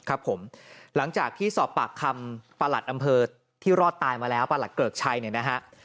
ครับผมหลังจากที่สอบปากคำประหลัดอำเภอที่รอดตายมาแล้วประหลัดเกริกชัยเนี่ยนะฮะ